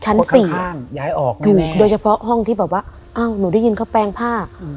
ชั้นสี่โดยเฉพาะห้องที่แบบว่าเอ้าหนูได้ยินเขาแปลงผ้าอืม